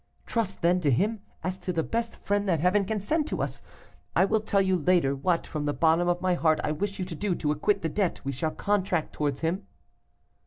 Trust, then, to him as to the best friend that Heaven can send to us. I will tell you later what from the bottom of my heart I wish you to do to acquit the debt we shall contract towards him.